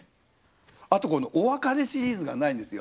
あとこのお別れシリーズがないんですよ。